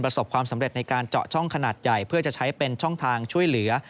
ความสำเร็จในการเจาะช่องขนาดใหญ่เพื่อจะใช้เป็นช่องทางช่วยเหลือ